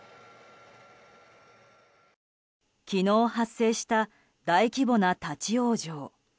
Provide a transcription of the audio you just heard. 昨日発生した大規模な立ち往生。